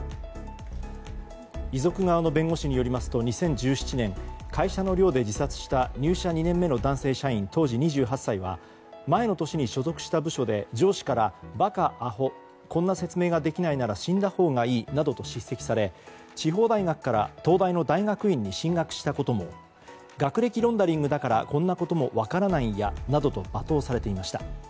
遺族側の弁護士によりますと２０１７年会社の寮で自殺した入社２年目の男性社員当時２８歳は前の年に所属した部署で上司から、馬鹿アホこんな説明ができないなら死んだほうがいいといわれ地方大学から東大の大学院に進学したことも学歴ロンダリングだからこんなことも分からないんやと罵倒されていました。